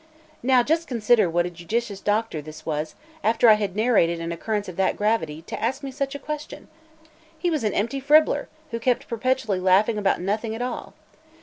Now, just consider what a judicious doctor this was, after I had narrated an occurrence of that gravity, to ask me such a question! He was an empty fribbler, who kept perpetually laughing about nothing at all.